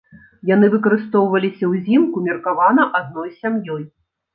Яны выкарыстоўваліся ўзімку, меркавана адной сям'ёй.